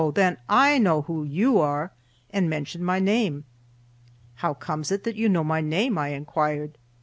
then I know who you are," and mentioned my name. "How comes it that you know my name?" I inquired.